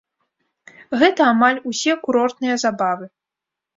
Гэта амаль усе курортныя забавы.